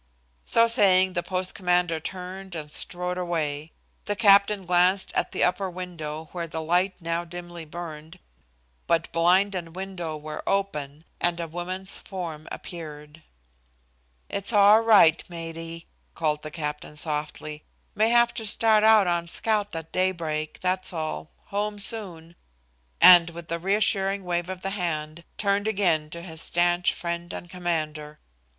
So saying the post commander turned and strode away. The captain glanced at the upper window where the light now dimly burned, but blind and window were open, and a woman's form appeared. "It's all right, Maidie," called the captain, softly. "May have to start out on scout at daybreak. That's all. Home soon," and with a reassuring wave of the hand, turned again to his stanch friend and commander.